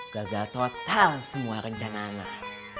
gagal total semua rencana anak